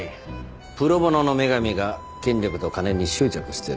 プロボノの女神が権力と金に執着してる。